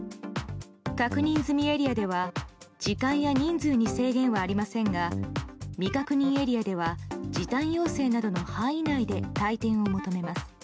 確認済エリアでは時間や人数に制限はありませんが未確認エリアでは時短要請などの範囲内で退店を求めます。